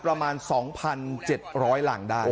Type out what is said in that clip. ประมาณ๒๗๐๐หลังได้